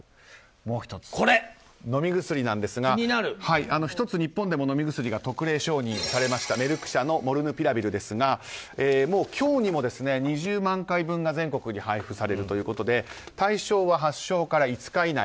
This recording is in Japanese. もう１つ、飲み薬なんですが１つ、日本でも飲み薬が特例承認されましたメルク社のモヌルピラビルですが今日にも２０万回分が全国に配布されるということで対象は発症から５日以内。